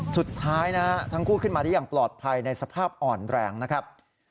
สุดท้ายนะทั้งคู่ขึ้นมาได้อย่างปลอดภัยในสภาพอ่อนแรงนะครับ